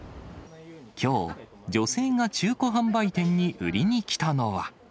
きょう、女性が中古販売店に売りに来たのは。